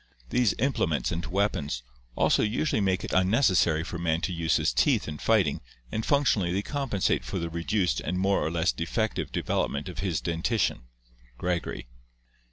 These implements and weapons also usually make it un necessary for man to use his teeth in fighting and functionally they compensate for the reduced and more or less defective de velopment of his dentition " (Gregory).